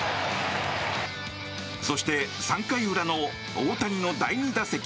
そして、３回裏の大谷の第２打席。